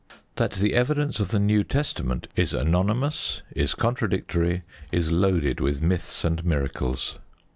That the evidence of the New Testament is anonymous, is contradictory, is loaded with myths and miracles.